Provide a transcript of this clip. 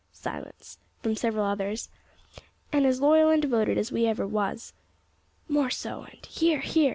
"silence!" from several others), "an' as loyal an' devoted as ever we was." ("More so," and "Hear, hear!").